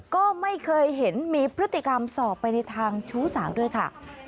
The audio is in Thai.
ก็ไม่เคยเห็นมีพฤติกรรมสอบไปในทางชู้สาวด้วยค่ะ